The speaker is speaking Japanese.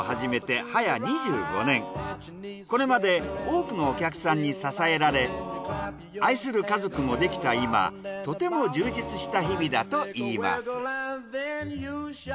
これまで多くのお客さんに支えられ愛する家族もできた今とても充実した日々だといいます。